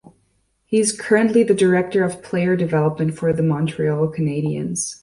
He is currently the director of player development for the Montreal Canadiens.